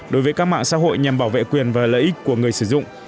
đối với các mạng xã hội nhằm bảo vệ quyền và lợi ích của người sử dụng